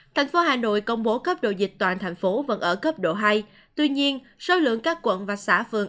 tp hcm công bố cấp độ dịch toàn thành phố vẫn ở cấp độ hai tuy nhiên số lượng các quận và xã phường